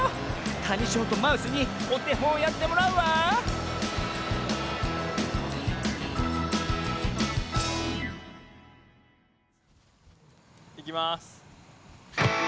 タニショーとマウスにおてほんをやってもらうわいきます。